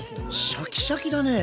シャキシャキだね。